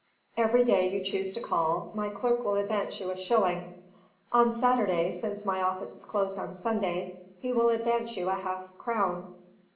Every day you choose to call, my clerk will advance you a shilling; on Saturday, since my office is closed on Sunday, he will advance you half a crown.